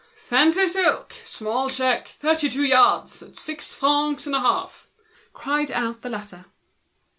"Fancy silk, small check, thirty two yards, at six francs and a half," cried out the latter.